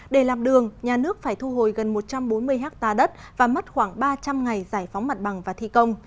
để làm đường nhà nước phải thu hồi gần một trăm bốn mươi ha đất và mất khoảng ba trăm linh ngày giải phóng mặt bằng và thi công